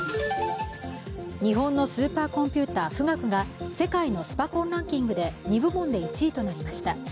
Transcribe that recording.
日本のスーパーコンピューター富岳が世界のスパコンランキングで２部門で１位となりました。